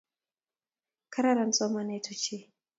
Kararan somanet ochei